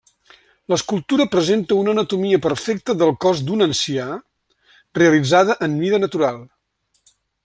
L'escultura presenta una anatomia perfecta del cos d'un ancià, realitzada en mida natural.